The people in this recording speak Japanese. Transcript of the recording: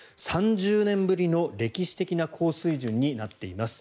３０年ぶりの歴史的な高水準になっています。